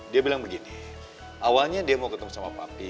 dia bilang begini awalnya dia mau ketemu sama papi